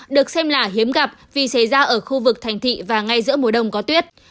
được xem là hiếm gặp vì xảy ra ở khu vực thành thị và ngay giữa mùa đông có tuyết